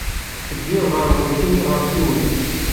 Ddiɣ ɣer wurti n yiɣersiwen.